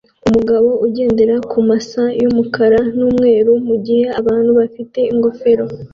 Umugabo ugendera kumasa yumukara numweru mugihe abantu bafite ingofero